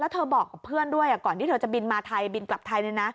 เธอบอกกับเพื่อนด้วยก่อนที่เธอจะบินมาไทยบินกลับไทย